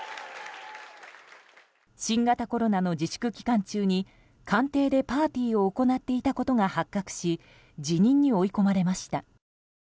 新型コロナの自粛期間中に官邸でパーティーを行っていたことが発覚し辞任に追い込まれました。